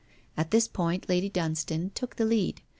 At this point Lady Dunstane took the lead.